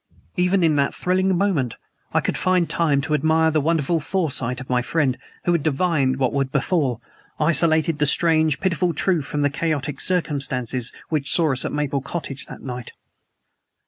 Even in that thrilling moment I could find time to admire the wonderful foresight of my friend, who had divined what would befall isolated the strange, pitiful truth from the chaotic circumstances which saw us at Maple Cottage that night.